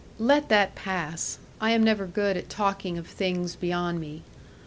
Let that pass I am never good at talking of things beyond me.